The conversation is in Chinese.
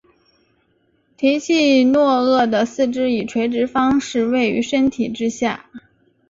提契诺鳄的四肢以垂直方式位于身体之下。